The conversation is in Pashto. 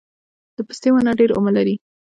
د پستې ونه ډیر عمر لري؟